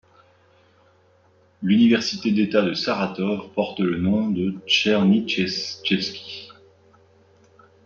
L'université d'État de Saratov porte le nom de Tchernychevski.